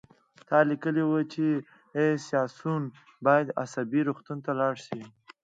تا لیکلي وو چې سیاسیون باید عصبي روغتون ته لاړ شي